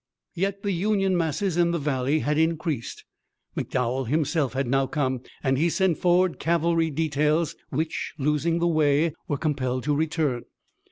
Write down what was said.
Yet the Union masses in the valley had increased. McDowell himself had now come, and he sent forward cavalry details which, losing the way, were compelled to return.